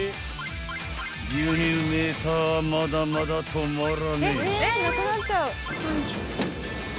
［牛乳メーターはまだまだ止まらねえ］